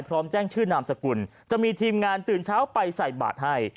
พร้อมแจ้งชื่อนามสกุลจะมีทีมงานตื่นเช้าไปใส่บาทให้